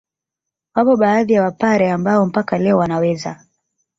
Wapo baadhi ya Wapare ambao mpaka leo wanaweza